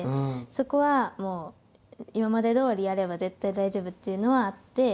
そこは、今までどおりやれば絶対大丈夫というのはあって。